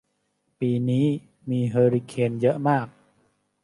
ปีนี้มีเฮอริเคนเยอะมาก